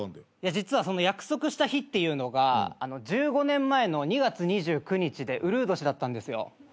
実はその約束した日が１５年前の２月２９日でうるう年だったんですよ。